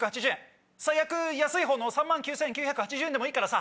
最悪安いほうの３万９９８０円でもいいからさ。